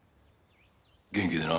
元気でな。